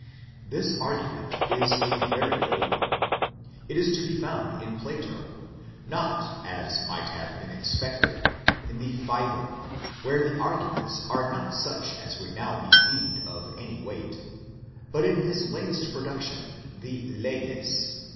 This argument is a very old one. It is to be found in Plato ; not as might have been expected, in the Phsedon, where the arguments are not such as would now be deemed of any weight, but in his latest production, the Leges.